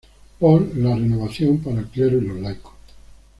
Paul la renovación para el clero y los laicos.